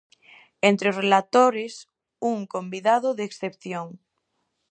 Entre os relatores, un convidado de excepción.